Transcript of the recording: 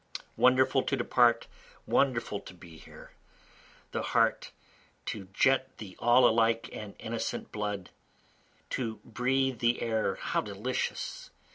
Wonderful to depart! Wonderful to be here! The heart, to jet the all alike and innocent blood! To breathe the air, how delicious!